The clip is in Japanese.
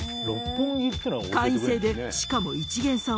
会員制でしかも一見さん